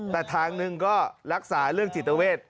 แต่ทางหนึ่งก็รักษาเรื่องจิตเวท